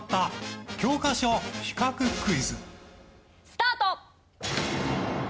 スタート！